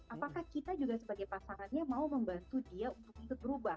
apakah kita juga sebagai pasangannya mau membantu dia untuk berubah